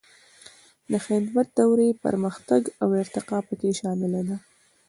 د خدمت دورې پرمختګ او ارتقا پکې شامله ده.